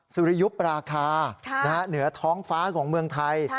สุริยุปราคาเหนือท้องฟ้าของเมืองไทย